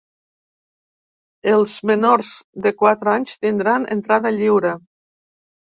Els menors de quatre anys tindran entrada lliure.